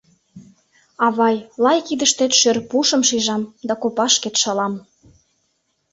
Авай, лай кидыштет шӧр пушым шижам да копашкет шылам.